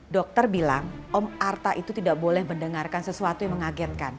dokter bilang om artha itu tidak boleh mendengarkan sesuatu yang mengagetkan